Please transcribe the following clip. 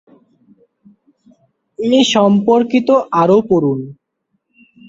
এ সম্পর্কিত আরও পড়ুন